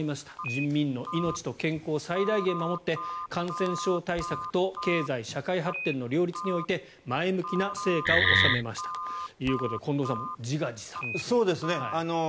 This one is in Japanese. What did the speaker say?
人民の命と健康を最大限守って感染症対策と経済・社会発展の両立において前向きな成果を収めましたということで近藤さん、自画自賛ですね。